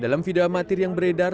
dalam video amatir yang beredar